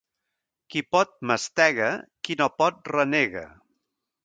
Qui pot, mastega; qui no pot, renega.